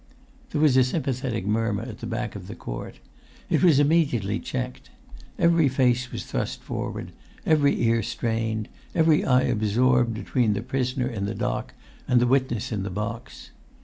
There was a sympathetic murmur at the back of the court. It was immediately checked. Every face was thrust forward, every ear strained, every eye[Pg 168] absorbed between the prisoner in the dock and the witness in the box.